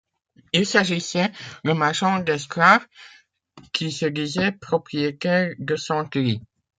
Il s'agissait d'un marchand d'esclaves qui se disait propriétaire de Century.